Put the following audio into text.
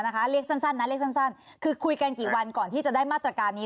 คุยกันกี่วันก่อนที่จะได้มาตรการนี้